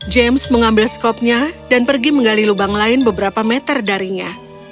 james mengambil skopnya dan pergi menggali lubang lain beberapa meter darinya